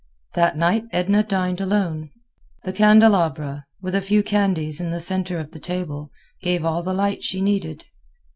That night Edna dined alone. The candelabra, with a few candles in the center of the table, gave all the light she needed.